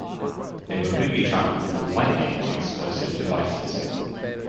They were booby-trapped with "Lightning" explosive devices.